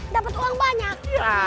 dapat uang banyak